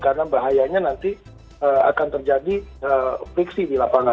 karena bahayanya nanti akan terjadi triksi di lapangan